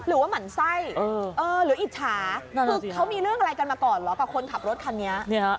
หมั่นไส้หรืออิจฉาคือเขามีเรื่องอะไรกันมาก่อนเหรอกับคนขับรถคันนี้